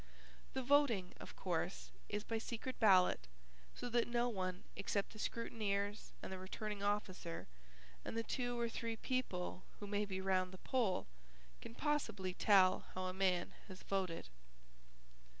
The voting, of course, is by secret ballot, so that no one except the scrutineers and the returning officer and the two or three people who may be round the poll can possibly tell how a man has voted.